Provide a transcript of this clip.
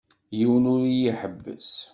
Yiwen ur iyi-iḥebbes.